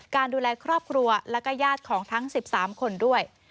ดูแลครอบครัวและก็ญาติของทั้ง๑๓คนด้วย